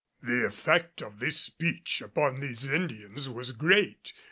The effect of this speech upon these Indians was great.